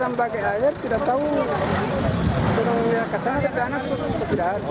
kemudian ke sana ke sana ke sana